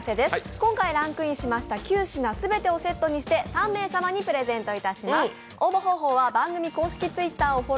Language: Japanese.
今回ランクインしました９品すべてセットして３名様にプレゼントいたします。